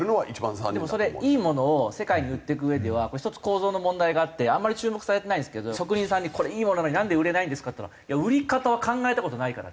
でもそれいいものを世界に売っていくうえでは一つ構造の問題があってあんまり注目されてないんですけど職人さんに「これいいものなのになんで売れないんですか？」と言ったら「売り方は考えた事ないから」。